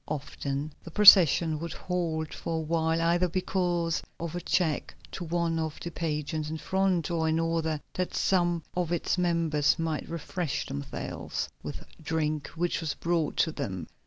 Often the procession would halt for a while, either because of a check to one of the pageants in front, or in order that some of its members might refresh themselves with drink which was brought to them.